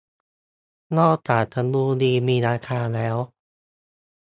นอกจากจะดูดีมีราคาแล้ว